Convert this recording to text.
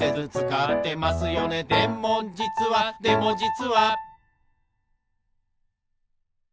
「でもじつはでもじつは」